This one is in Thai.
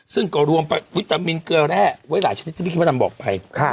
ซึ่งก็รวมวิตามินเกลือแร่ไว้หลายชนิดที่พี่มดดำบอกไป